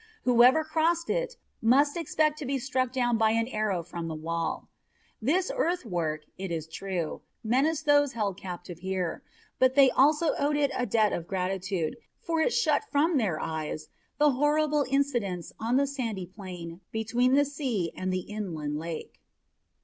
Whoever crossed it must expect to be struck down by an arrow from the wall. This earthwork, it is true, menaced those held captive here, but they also owed it a debt of gratitude, for it shut from their eyes the horrible incidents on the sandy plain between the sea and the inland lake.